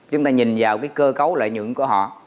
chúng ta nhìn vào cái cơ cấu lợi nhuận của họ